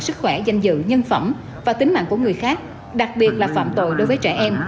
sức khỏe danh dự nhân phẩm và tính mạng của người khác đặc biệt là phạm tội đối với trẻ em